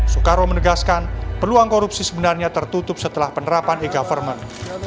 soekarwo menegaskan peluang korupsi sebenarnya tertutup setelah penerapan e government